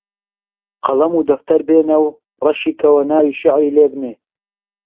قەڵەم و دەفتەر بێنە و ڕەشی کەوە ناوی شیعری لێ بنێ